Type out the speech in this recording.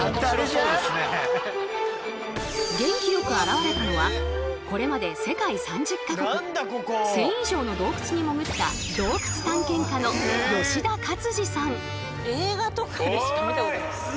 元気よく現れたのはこれまで世界３０か国１，０００以上の洞窟に潜った映画とかでしか見たことない。